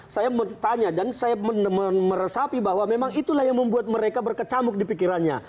saya bertanya dan saya meresapi bahwa memang itulah yang membuat mereka berkecamuk di pikirannya